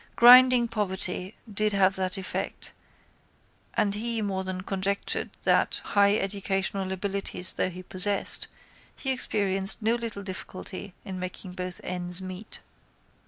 Grinding poverty did have that effect and he more than conjectured that, high educational abilities though he possessed, he experienced no little difficulty in making both ends meet.